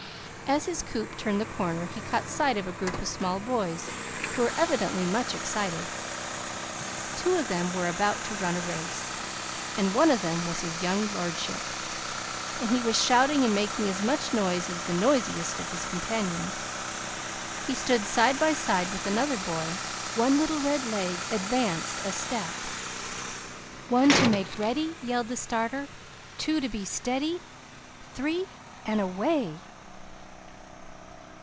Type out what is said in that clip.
As his coupe turned the corner, he caught sight of a group of small boys, who were evidently much excited. Two of them were about to run a race, and one of them was his young lordship, and he was shouting and making as much noise as the noisiest of his companions. He stood side by side with another boy, one little red leg advanced a step. "One, to make ready!" yelled the starter. "Two, to be steady. Three and away!"